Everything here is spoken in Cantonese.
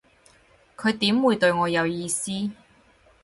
佢點會對我有意思